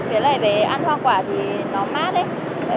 với lại về ăn hoa quả thì nó mát đấy